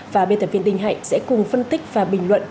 và biên tập viên đình hạnh sẽ cùng phân tích và bình luận